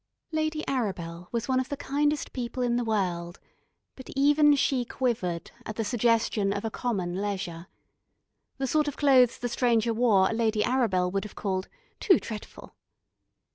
Lady Arabel was one of the kindest people in the world, but even she quivered at the suggestion of a common leisure. The sort of clothes the Stranger wore Lady Arabel would have called "too dretful."